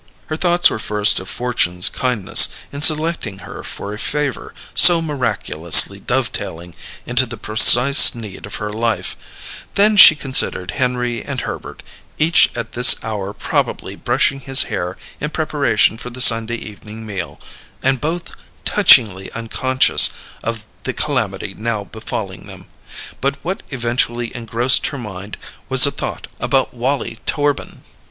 Her thoughts were first of Fortune's kindness in selecting her for a favour so miraculously dovetailing into the precise need of her life; then she considered Henry and Herbert, each at this hour probably brushing his hair in preparation for the Sunday evening meal, and both touchingly unconscious of the calamity now befalling them; but what eventually engrossed her mind was a thought about Wallie Torbin.